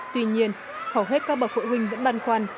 tuy nhiên hầu hết các bậc phụ huynh vẫn băn khoăn